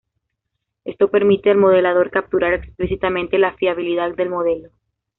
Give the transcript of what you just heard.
Esto permite al modelador capturar explícitamente la fiabilidad del modelo.